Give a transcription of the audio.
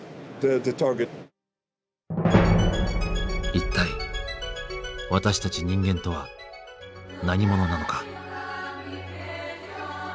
一体私たち人間とは何者なのか？